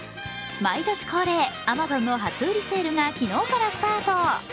毎年恒例、Ａｍａｚｏｎの初売りセールが昨日からスタート。